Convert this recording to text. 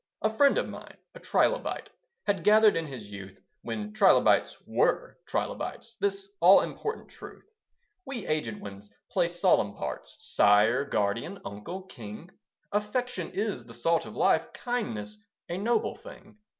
A friend of mine, a trilobite Had gathered in his youth, When trilobites were trilobites, This all important truth. We aged ones play solemn parts Sire guardian uncle king. Affection is the salt of life, Kindness a noble thing.